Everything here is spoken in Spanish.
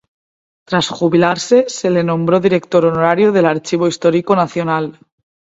Tras jubilarse se le nombró director honorario del Archivo Histórico Nacional.